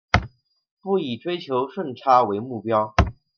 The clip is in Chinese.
不以追求顺差为目标